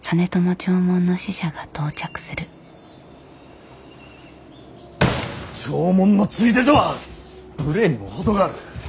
弔問のついでとは無礼にも程がある。